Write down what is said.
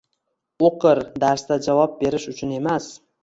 o'qir, darsda javob berish uchun emas